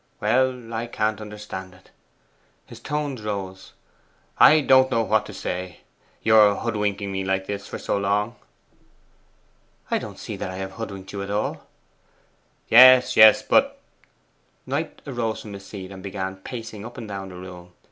Well, I can't understand it.' His tones rose. 'I don't know what to say, your hoodwinking me like this for so long!' 'I don't see that I have hoodwinked you at all.' 'Yes, yes, but' Knight arose from his seat, and began pacing up and down the room.